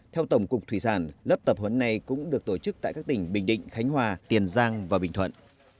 theo tổng cục thủy sản lớp tập huấn này cũng được tổ chức tại các tỉnh bình định khánh hòa tiền giang và bình thuận